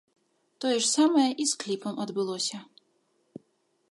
Тое ж самае і з кліпам адбылося.